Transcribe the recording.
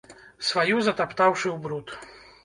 Сваю затаптаўшы ў бруд.